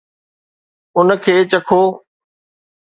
ان کي چکو